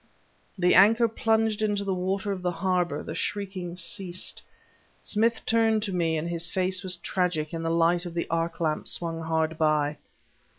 The anchor plunged into the water of the harbor; the shrieking ceased. Smith turned to me, and his face was tragic in the light of the arc lamp swung hard by.